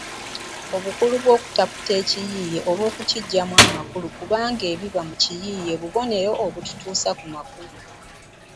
Obukulu bw’okutaputa ekiyiiye olw’okukiggyamu amakulu kubanga ebiba mu kiyiiye bubonero obukutuusa ku makulu.